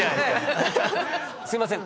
すいません